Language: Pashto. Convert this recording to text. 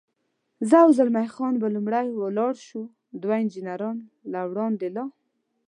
زه او زلمی خان به لومړی ولاړ شو، دوه انجنیران له وړاندې لا.